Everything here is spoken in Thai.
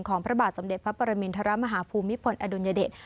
ของพระบาทสำเด็จพระประมินทรมาฮาภูมิพลอดุญเดช